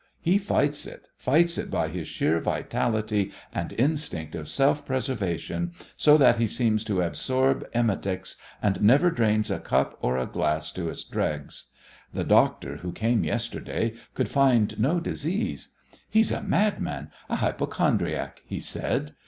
He fights it fights it by his sheer vitality and instinct of self preservation, so that he seems to absorb emetics and never drains a cup or a glass to its dregs. The doctor, who came yesterday, could find no disease. 'He's a madman, a hypochondriac,' he said.